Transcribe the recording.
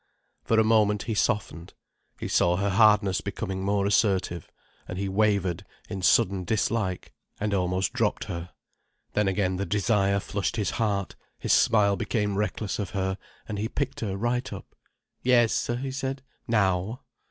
For a moment he softened. He saw her hardness becoming more assertive, and he wavered in sudden dislike, and almost dropped her. Then again the desire flushed his heart, his smile became reckless of her, and he picked her right up. "Yes," he said. "Now."